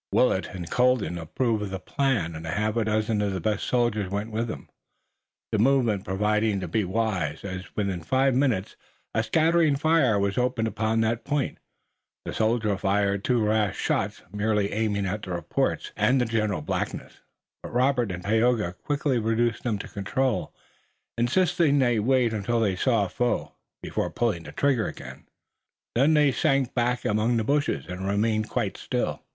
Willet and Colden approved of the plan, and a half dozen of the best soldiers went with them, the movement proving to be wise, as within five minutes a scattering fire was opened upon that point. The soldiers fired two rash shots, merely aiming at the reports and the general blackness, but Robert and Tayoga quickly reduced them to control, insisting that they wait until they saw a foe, before pulling trigger again. Then they sank back among the bushes and remained quite still.